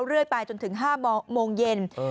เรื่อยไปจนถึงห้าโมงเย็นเออ